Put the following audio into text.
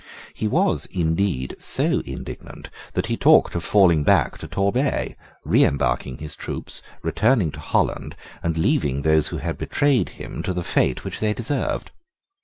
He was, indeed, so indignant, that he talked of falling back to Torbay, reembarking his troops, returning to Holland, and leaving those who had betrayed him to the fate which they deserved.